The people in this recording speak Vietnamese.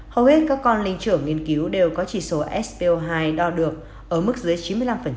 hầu hết các con linh trưởng nghiên cứu đều có chỉ số so hai đo được ở mức dưới chín mươi năm